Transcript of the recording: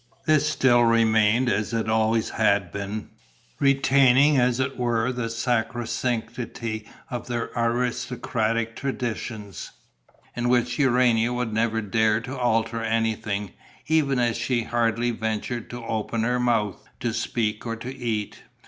This still remained as it always had been, retaining as it were the sacrosanctity of their aristocratic traditions, in which Urania would never dare to alter anything, even as she hardly ventured to open her mouth to speak or eat.